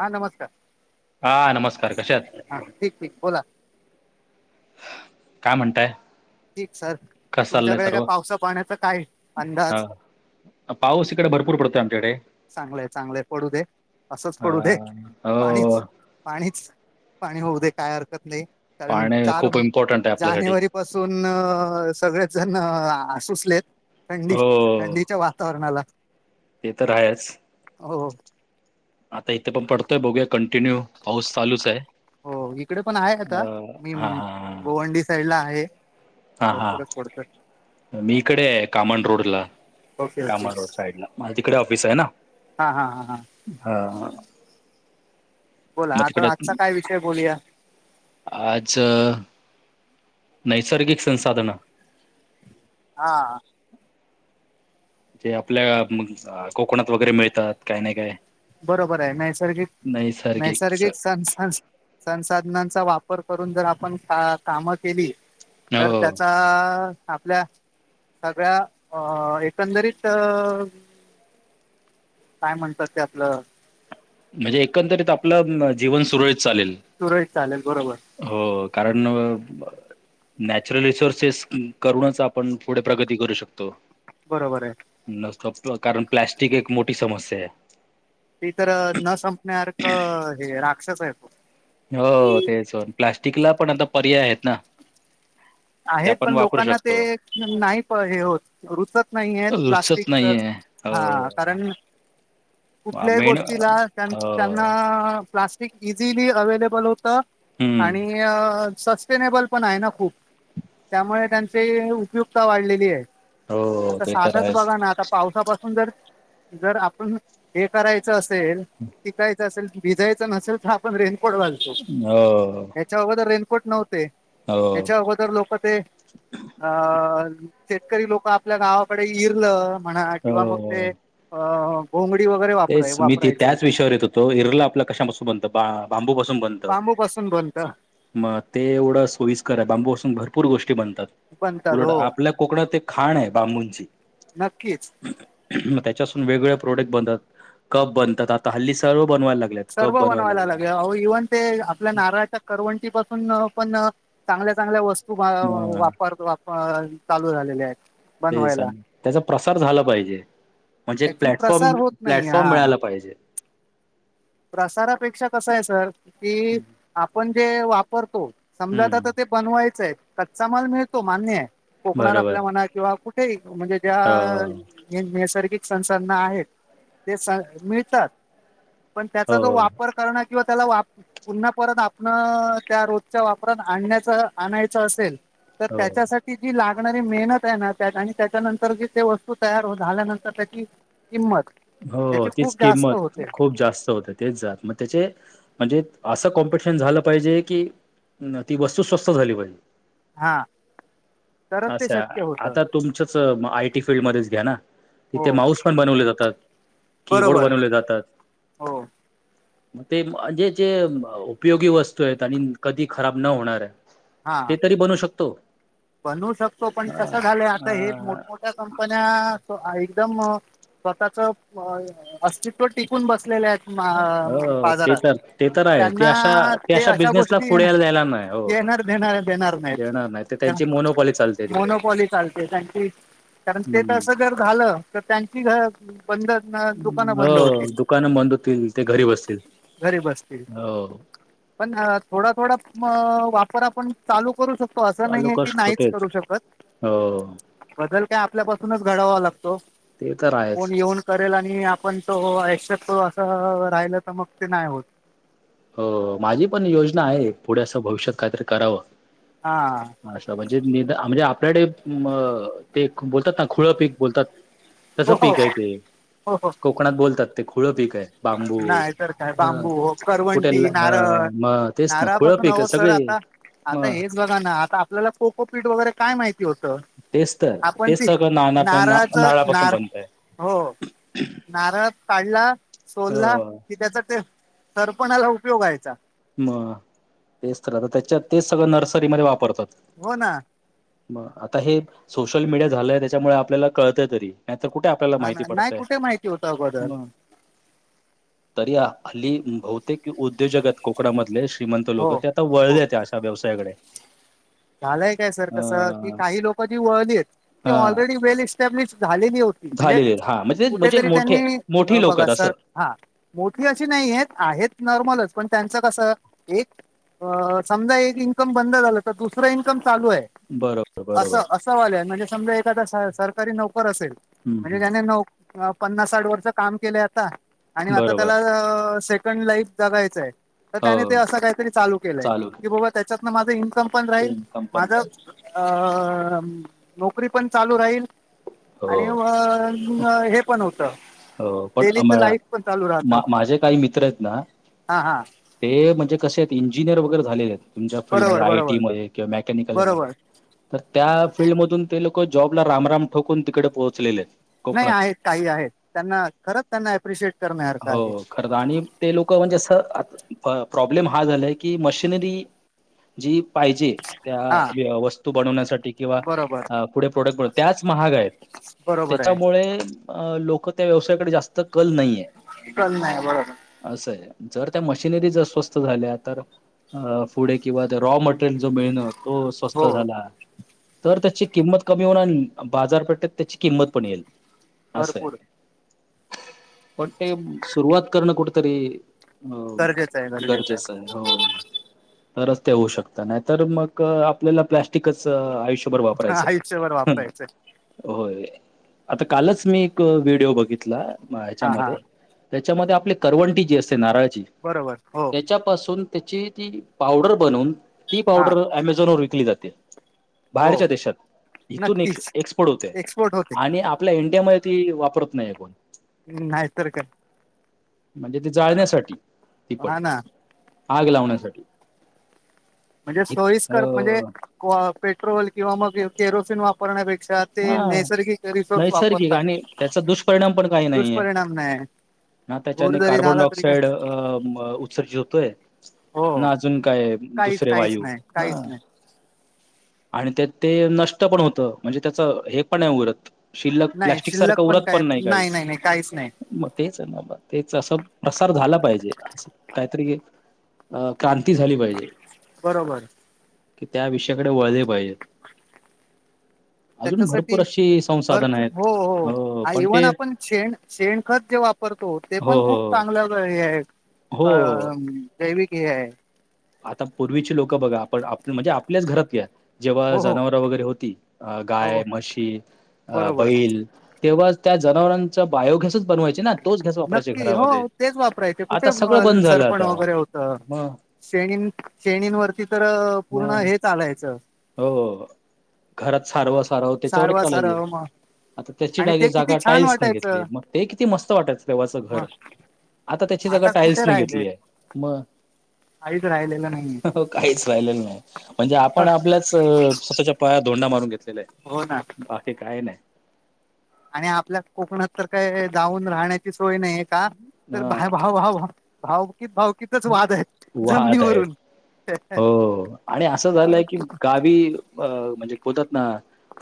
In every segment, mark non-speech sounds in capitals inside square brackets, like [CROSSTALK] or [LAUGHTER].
हा नमस्कार. हा नमस्कार कशे हात? हा ठीक ठीक बोला. काय म्हणताय? ठीक सर, कसं चाललंय तुमच्याकडे काय सर्व? पावसा पाण्याचा काय अंदाज? हां. पाऊस इकडे भरपूर पडतोय आमच्याकडे. चांगलंय चांगलंय पडू दे. असंच अ, पडू दे हो. पाणीचं पाणीचं पाणी होऊ दे काय हरकत नाय. कारण पाणी चार खूप इम्पॉर्टंट आहे आपल्यासाठी. जानेवारी पासून तून सगळेच जण असुसलेत. थंडी हो. थंडीच्या वातावरणाला. ते तर आहेचं. हो. आता इथं पण पडतोय बघूया कंटिन्यू पाऊस चालूच हाय हो इकडे पण आहे आता अ मी हा म, हा हा. गोवंडी साईडला आहे भरपूरच हां. पडतोय. मी इकडे हे कामन रोडला. ओके ओके काम रोड साइडला माझ्या तिकडे ऑफिस हाय ना. हा हा हा. हा [UNINTELLIGIBLE] बोला आता आजचा काय विषय बोलूया? आज. नैसर्गिक संसाधन. हा. जे आपल्या कोकणात वगैरे, मिळतात काय नाही काय. बरोबर आहे नैसर्गिक - नैसर्गिक सन -सन. संसाधनांचा वापर करून जर आपण का कामं केली. तर हो. त्याचा आपल्या. सगळ्या अ- एकंदरीत -अ. काय म्हणतात ते आपलं. म्हणजे एकंदरीत आपलं जीवन सुरळीत चालेल. सुरळीत चालेल बरोबर. हो कारण. नॅचरल रिसोर्सेस, करूनच आपण पुढे प्रगती करू शकतो. बरोबर आहे. न कारण प्लाॅस्टिक एक मोठी समस्या आहे. त तर न संपण्यासारखं हे राक्षस आहे तो. हो तेचं प्लास्टिकला पण आता पर्याय आहेत ना. ते आहेत आपण पण वापरू लोकांना ते शकतो. नाही हे हो रुचत नाही आहेत रुचत प्लास्टिक नाहीये हा कारण हो कुठल्याही मेन गोष्टीला हो त्यांना प्लास् इझिली अवे्लेबल होतं हम्म आणि सस्टेनेबल पण आहे ना खूप. त्यामुळे त्यांची उपयुक्ता वाढलेली आहे हो आता ते तर साधच आहेच. बघा ना आता. पावसापासून जर जर आपण हे करायचं असेल की काय असेल भिजयचं नसेल तर आपण रेनकोट घालतो. हो. च्या अगोद रेनकोट नव्हते हो याच्या अगो अ - लोक ते अ शेतकरी लोक आपल्या गावाकडे इरलं. म्हणा किंवा मग हो. ते घोंगडी वैगरे, तेचं मी ते त्याच विषयावर येत होतो इरलं आपल्या कशापासून बनतं बांबूपसून बनतं. बांबू पासून बनतं. मग ते एवढं सोयस्कर आहे बांबूपसून भरपूर गोष्टी बनतात बनतात उलट हो आपल्या कोकणात एक खाण आहे बांबूंची. नक्कीचं. मग त्याच्यासून वेगवेगळे प्रोडक्ट बनतात कप बनतात आता हल्ली सर्व बनवायला लाग. सर्व बनवायला लागे इवन. ते आपल्या नारळाच्या करवंटी पाासून पण चांगल्या - चांगल्या वस्तु. तुम मग वापर वाप चालू झालेले आहेत बनवायला तेसन त्याचा प्रसार झाला पाहिजे म्हणजे एक ऍक्च्युली प्रसार प्लॅटफॉर्म- होत नाही हा प्लॅटफॉर्म मिळाला पाहिजे. प्रसारापेक्षा कसं आहे सर की आपण जे वापरतो समजा हम्म आता ते. बनवायचय कच्चा माल मिळतो मान्य आहे कोकण बरोबर आपल्या मना किंवा कुठे म्हणजे. हो त्या नैसर्गिक संसाधना आहेत ते स - मिळतात. पण त्याचा जो हो वापर करण किंवा त्याला वा पुन्हा परत आपण त्या रोजच्या वापरात आणण्याच आणायचं असेल. तर हो त्याच्यासाठी. जी लागणारी मेहनत आहे ना त्यात आणि त्याच्यानंतर जी ते वस्तू तयार झाल्यानंतर त्याची. किंमत. हो याची तीच खूप जास्त किंमत होते खूप जास्त होते. तेच जात, मग त्याचे म्हणजे असं कॉम्पिटिशन झालं पाहिजे की ती वस्तू स्वस्त झाली पाहिजे. हा. तरच आस, ते शक्य होतं आता तुमचच आय टी फिल्ड मध्येच घ्या ना तिथे हो माऊस पण बनवले जातात. कीबोर्ड बरोबर बनवले जातात हो मग ते जे-जे उपयोगी वस्तू आहेत. आणि कधी खराब न होणार. हा ते तरी बनू शकतो. बनवू शकतो. पण हा कसं झालंय आता हे मोठमोठ्या कंपन्या एकदम स्वतःच अस्तित्व टिकून बसलेले आहेत. हो ते बाजारात. तर ते तर आहे ते अशा त्यांना ते अशा बिझनेसला गोष्टी ये पुढे यायला द्यायला नाही हो येणार देणार-देणार नाहीत. देणार नाही ते त्यांची मोनोपॉली चालते तिकडे मोनोपॉली चालते. त्यांची कारण ते तर हम्म असं जर झालं तर त्यांची घ बंद दुकानं बंद हो होतील. दुकानं बंद होतील ते घरी बसतील घरी बसतील. हो पण थोड-थोड वापर आपण चालू करू शकतो अस असं नाही चालू आहे करू की, शकतो नाहीच तेच करू शकत. हो बदल काय आपल्यापासूनच घडावा लागतो. ते तर आहेच कोण येऊन करेल आणि आपण तो एक्सेप्ट करू. असं राहिल तर मग ते नाही होत. हो, माझी पण योजना आहे. पुढे असं भविष्यात काहीतरी करावं. हा. आस म्हणजे नि म्हणजे आपल्याकडे म ते बोलतात ना, खुळं पीक बोलतात. तसं हो हो पीक आहे ते, हो हो कोकणात बोलतात ते खुळं पीक आहे. बांबू नाही तर काय, बर बांबू ओ. कुठे ल करवंटी, अ नारळ, मग तेच ना खुळं नारळापासून पीक हवं सर सगळे आता, आता मग हेच हे बघा ना, आता आपल्याला को को पीट वगैरे काय माहिती होतं. तेच तर आपण तेच ती, सगळं नाना पण नारळाच नारळापासून नार बनतय. हो, नारळ पाढला, सोलला, हो कि त्याचा ते तर पणला उपयोगाय व्हय चा. मग, तेच तर त्याच्यात तेच सगळं नर्सरीमध्ये वापरतात. हो ना. मग आता हे सोशल मीडिया झालंय, त्याच्यामुळे आपल्याला कळतं तरी नाही आ कुठे आपल्याला हा ना माहिती नाही पडतय. कुठे माहिती होतं अगोदर तरी हल्ली बहुतेक उद्योजक आहेत. कोकणामधले श्रीमंत लोक. हो त्या ता हो वळेत अश व्यसायाकडे. झालंय काय सर कसं, की काही लोक जी वळली आहेत. ती हा ऑलरेडी वेल इस्टॅब्लिश झालेली होती. म्हणजे झालेले हा म्हणजे म्हणजे कुठेतरी मोठे त्यांनी मोठी अ लोक बघा आहेत सर. असं हा, मोठी अशी नाही आहेत. आहेत नॉर्मलच, पण त्यांचं कसं एक अ समजा एक इन्कम बंद झालं तर दुस दुसरं इन्कम चालू आहे. बरोबर बरोबर असं-असं वालं म्हणजे समजा एखादा सरकारी नोकर असेल हम्म म्हणजे हम्म त्याने हम्म. नऊ, पन्नास, साठ वर्ष काम केले आता आणि आता बरोबर त्याला शेत पण लाईफ जगायचं आहे. तर त्याने ते हो असं काहीतरी चालू केलंय. की बाबा, त्याच्यातन माझं इन्कम पण राहील इन्कम पण माझं राहील अ नोकरी पण चालू राहील. हो आणि अ हे पण होतं. हो, पण डेलीच अमळ, लाईफ पण चालू राहतं माझे काही मित्र आहेत ना हा हा ते म्हणजे कसे आहेत इंजिनियर वगैरे झालेले ‌. तुमच्या फीलल्डमध्ये बरोबर आयटी बरोबर मध्ये किंवा मेकॅनिकलमध्ये. बरोबर तर त्या फीलल्ड मधून ते लोक जॉबला रामराम ठोकून तिकडे पोहोचलेले. नाही कोकणात आहेत काही आहेत त्यांना खरंच त्यांना अप्रिशिएट करण्यासारखं आहे. हो खरं आणि ते लोक म्हणजे असं प्रॉब्लेम हा झालाय की मशनरी जी पाहिजे हा त्या वस्तू बनवण्यासाठी किंवा बरोबर पुढे प्रोडक्ट बनव त्याच महाग आहेत. बरोबर आहे त्याच्यामुळे अ लोक त्या व्यवसायाकडे जास्त कल नाहीये. कल नाही बरोबर. असं आहे जर त्या मशिनरी जर स्वस्त झाल्या तर पुढे किंवा रॉ म टल जो मिळण तो स्वस्त हो झाला. तर त्याची किंमत कमी होणार बाजारपेठेत त्याची किंमत पण येईल. असं आहे भरपूर. पण [INAUDIBLE] ते सुरुवात करणं कुठतरी अ गरजेचं आहे गरजेचं आहे. हो तरच ते होऊ शकत नाही तर मग आपल्याला प्लास् टिकच आयुष्यभर आहे वापरायचं. आयुष्यभर वापरायचं होय आता कालच मी एक व्हिडिओ बघितला हा हा ह्याच्यामध्ये त्याच्यामध्ये आपली करवंटी जी असते नारळाची बरोबर हो. त्याच्या पाासून त्याची ती पावडर बनवून ती हा पावडर अमेझॉन वर विकली जाते. हो बाहेरच्या देशात इथून नक्कीच एक्सपोर्ट होते एक्सपोर्ट होते आणि आ आपल्या इंडियामध्ये ती वापरत नाहीत. हम् नाहीतर का म्हणजे ते जाळण्यासाठी तिपट हा ना आग लावण्यासाठी. म्हणजे इत अ सोयीस्कर म्हणजे पेट्रोल किंवा मग केॅरोसिन वापरण्यापेक्षा. ते हा नैसर्गिक रिसोर्स नैसर्गिक वापरतात आणि त्याचा दुष्परिणाम पण काही नाही आहे. दुष्परिणाम नाही हा धूर त्याच्याने जरी कार्बन झाला डाय तरी काय ऑक्साइड अ उत्सर्जित होतोय. हो ना अजून काय काहीच दुसरे काहीच वायू नाही हा. काहीच नाही आणि त्यात ते नष्ट पण होतं म्हणजे त्याचं हे पण नाही उरत शिल्लक नाही प्लास्टिक सारखं शिल्लक उरत काय पण नाही काही. नाही काहीच नाही मग तेच आहे ना तेच असं प्रसार झाला पाहिजे अस काहीतरी अ क्रांती झाली पाहिजे बरोबर [INAUDIBLE] की त्या विषयाकडे वळले पाहिजेत. अजून भरपूर त्याच्यासाठी अशी संसाधन आहेत अ. हा इव्हन आपण शेण शेणखत जे वापरतो ते हो पण खूप हो चांगल्या हे आहे हो अ दैविक हे आहे. आता पूर्वीचे लोक बघा आपण आप म्हणजे आपल्याच घरात. जेव्हा हो हो जनावरवर वगैरे होती अ हो गाय, म्हशी, अ बरोबर बैल, - तेव्हा त्या जनावरांचा बायोगॅसच बनवायचा. ना तोच गॅस वापरायच्या नक्की हो घरामध्ये तेच वापरायचे कुठे आता सगळं बंद झालं सरपण आता. वगैरे होतं मग शेणी शेणींवरती तर पूर्ण मग हे चालायचं. हो घरात सारवा-सारव त्याच्यावरच सारवा चालायचे. सारव मग आता त्याची आणि डागे ते किती जागा छान टाईल्सने वाटायचं घेतली मग ते किती मस्त वाटायच. तेव्हाच घर मग आता त्याची जागा कुठे टाइल्सने राहिले घेतली आहे. मग काहीच राहिलेलं नाही. अहो काहीच राहिलेलं नाही. म्हणजे आपण आपल्याच च स्वतःच्या पायावर धोंडा मारून घेतलेलाय. हो ना. बाकी काही नाही. आणि आपल्या कोकणात तर काय जाऊन राहण्याची सोय नाहीये. का तर भा ह भाव भाव भाव भावकीत भावकीतच वादेत. वाहत आहेत जमनीवरून. हो, आणि असं झालंय की गावी अ म्हणजे बोलतात ना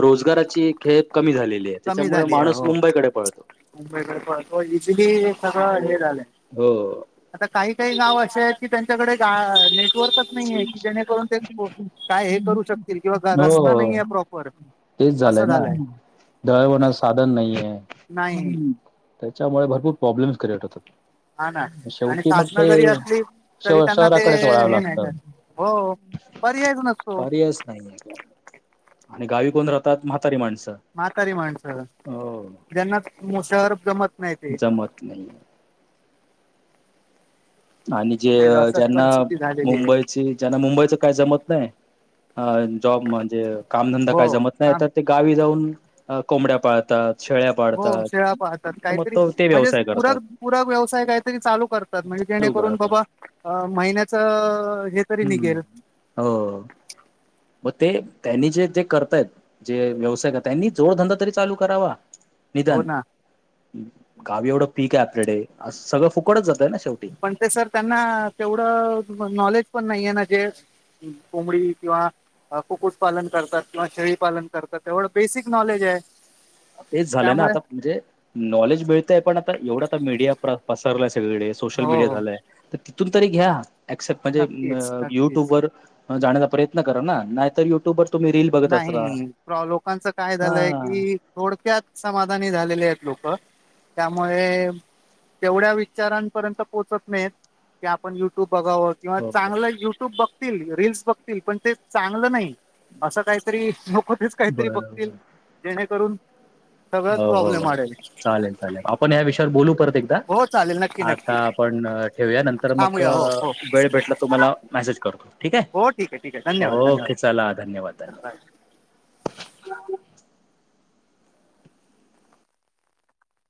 रोजगाराची खेप कमी झालेलीये. त्याच्यामुळे माणूस मुंबईकडे पळतो. मुंबईकड पळतो. इजीली सगळ हे झालय. हो. आता काही काही गाव असे आहेत. की त्यांच्याकडे गा नेटवर्क नाही की जेणेकरून ते काय हे करू शकतील. किंवा रस्ता हो नाहीये प्रॉपर. तेच झालंय ना. दळणवळणाचे साधन नाहीये. नाही. त्याच्यामुळे भरपूर प्रॉब्लेम्स क्रिएट होतात. हा ना. आणि शेवटी मग साधन ते जरी असली, श तरी त्यांना ते शहराकडेच वळावं हे नाही. लागतं हो पर्यायच नसतो. यच नाही काही. आणि गावी कोण राहतात? म्हातारी माणसं. म्हातारी माणसं. हो ज्यांना मोशहरात जमत नाही ते जमत नाही. आणि जे ते असं ज्यांना परिस्थिती झालेली आहे मुंबईची ज्यांना मुंबईच काय जमत नाही. जॉब म्हणजे, कामधंदा हो काय जमत नाही. काम तर ते गावी जाऊन कोंबड्या पाळतात, शेळ्या हो शेळ्या पाळतात पाळतात. मग काहीतरी तो ते म्हणजे व्यवसाय पुरक करतात पुरक व्यवसाय काहीतरी चालू करतात. म्हणजे चालू जेणेकरून करतात बाबा, महिन्याच हे तरी हम्म हम्म, निघेल हो. मग ते त्यांनी जे जे करतायेत. जे व्यवसायिक, त्यांनी जोडधंदा तरी चालू करावा. हो निदान. ना गावी एवढं पीके आपल्याकडे. अस सगळं फुकटच जातय ना शेवटी. पण ते सर त्यांना, तेवढं नॉलेज पण नाहीये ना जे कोंबडी किंवा कुकुट पालन करतात. किंवा शेळीपालन करतात. एवढं बेसिक नॉलेजे. तेच झालंय ना आता. म्हणजे नॉलेज मिळतय पण आता एवढं आ मीडिया पसरलाय सगळीकडे. सोशल हो मीडिया हो झालय. तर तिथून तरी घ्या एक्सेप म्हणजे नक्कीच नक्कीच युट्यूबवर जाण्याचा प्रयत्न करा ना. नाही तर युट्युब नाही प्रो लोकांचं काय झालंय हा की थोडक्यात समाधानी झालेलेत लोक. त्यामुळे तेवढ्या विचारांपर्यंत पोहोचत नाहीयेत. कु आपण युट्यूब बघावं किंवा. हो चांगलं युट्यूब बघतील रीलस बघतील. पण ते चांगलं नाही. असं काहीतरी नको तेच काहीतरी बघतील. बरोबर जेणेकरून सगळच हो प्रॉब्लेम हो वाढलेत. चालेल आपण या विषयावर बोलू परत एक हो चालेल नक्की आता नक्की आपण ठेवूया. नंतर मग थांबूया हो हो वेळ भेटला तुम्हाला मेसेज करतो ठीके. हो ठीक आहे ठीक आहे धन्यवाद ओके धन्यवाद चला धन्यवाद, धन्यवाद. बाय